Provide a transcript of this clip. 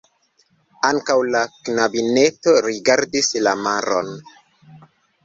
Ankaŭ la knabineto rigardis la maron.